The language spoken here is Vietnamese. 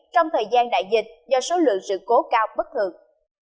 trong thời gian đại dịch do số lượng sự cố cao bất thường